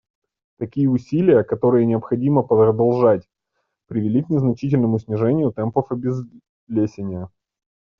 Такие усилия, которые необходимо продолжать, привели к значительному снижению темпов обезлесения.